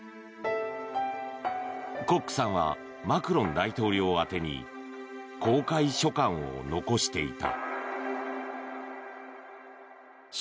コックさんはマクロン大統領宛てに公開書簡を残していた。